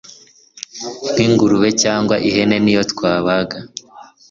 nk’ingurube cyangwa ihene niyo twabaga